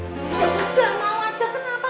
udah mau aja kenapa